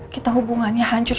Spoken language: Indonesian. kita hubungannya hancur